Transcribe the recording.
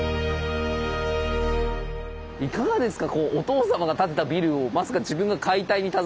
いかがですか？